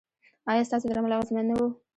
ایا ستاسو درمل اغیزمن نه وو؟